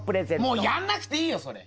もうやんなくていいよそれ。